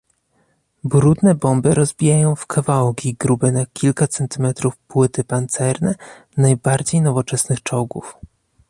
Brudne bomby rozbijają w kawałki grube na kilka centymetrów płyty pancerne najbardziej nowoczesnych czołgów